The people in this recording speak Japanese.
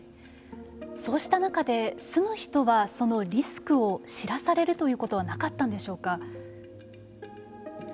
そうした中で住む人はそのリスクを知らされるということはなかったんでしょうか。